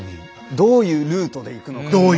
どういうルートで行くのか。